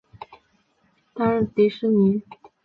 曾经担任迪士尼动画的配音。